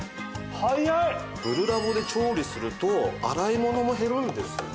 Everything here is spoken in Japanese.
グルラボで調理すると洗い物も減るんですよね。